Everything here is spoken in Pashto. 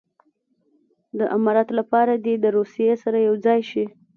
د امارت لپاره دې د روسیې سره یو ځای شي.